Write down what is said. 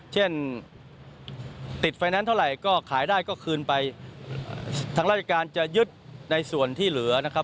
เช่นติดไฟแนนซ์เท่าไหร่ก็ขายได้ก็คืนไปทางราชการจะยึดในส่วนที่เหลือนะครับ